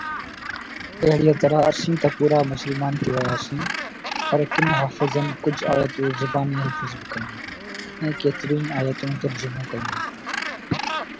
اهڙيءَ طرح اسين ته پورا مسلمان ٿي وياسين، پر ڪن حافظن ڪجهه آيتون زباني حفظ به ڪيون ۽ ڪيتريون ئي آيتون ترجمو ڪيون.